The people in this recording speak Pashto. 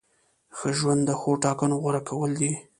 ښه ژوند د ښو ټاکنو غوره کول دي.